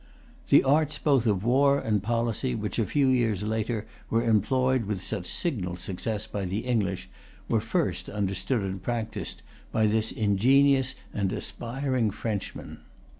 The arts both of war and policy, which a few years later were employed with such signal success by the English, were first understood and practised by this ingenious and aspiring Frenchman.